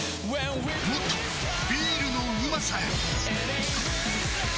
もっとビールのうまさへ！